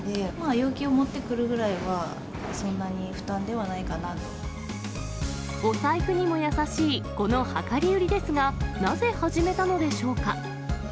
容器を持ってくるぐらいは、お財布にも優しいこの量り売りですが、なぜ始めたのでしょうか。